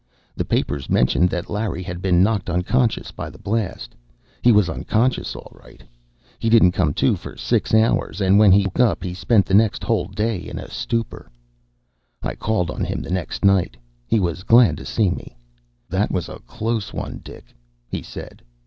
The papers mentioned that Larry had been knocked unconscious by the blast. He was unconscious, all right. He didn't come to for six hours and when he woke up, he spent the next whole day in a stupor. I called on him the next night. He was glad to see me. "That was a close one, Dick," he said.